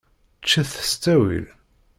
Ččet s ttawil.